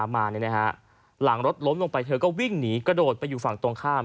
มาหลังรถล้มลงไปเธอก็วิ่งหนีกระโดดไปอยู่ฝั่งตรงข้าม